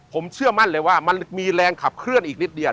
ผมเชื่อมั่นเลยว่ามันมีแรงขับเคลื่อนอีกนิดเดียว